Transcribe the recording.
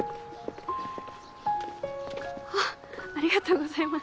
ありがとうございます。